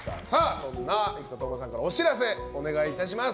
そんな生田斗真さんからお知らせ、お願いいたします。